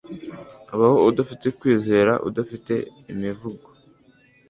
baho udafite kwizera, udafite imivugo